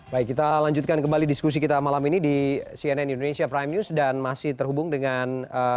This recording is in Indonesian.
baik kita lanjutkan kembali diskusi kita malam ini di cnn indonesia prime news dan masih terhubung dengan